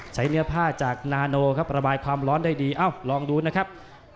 เนื้อผ้าจากนาโนครับระบายความร้อนได้ดีเอ้าลองดูนะครับ